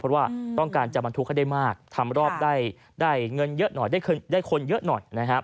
เพราะว่าต้องการจะบรรทุกให้ได้มากทำรอบได้เงินเยอะหน่อยได้คนเยอะหน่อยนะครับ